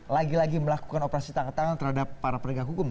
lagi lagi melakukan operasi tangkap tangan terhadap para penegak hukum